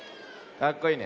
かっこいいね。